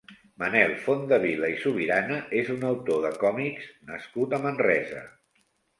Manel Fontdevila i Subirana és un autor de còmics nascut a Manresa.